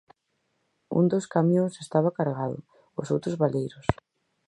Un dos camións estaba cargado, os outros baleiros.